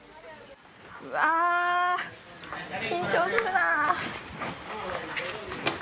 うわ緊張するなあ